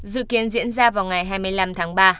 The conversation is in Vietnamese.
dự kiến diễn ra vào ngày hai mươi năm tháng ba